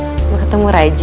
mami mau ketemu raja